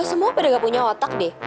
semua pada gak punya otak deh